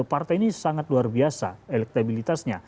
partai ini sangat luar biasa elektabilitasnya